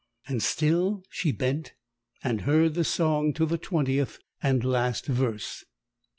And still she bent and heard the song to the twentieth and last verse.